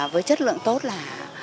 với chất lượng tốt là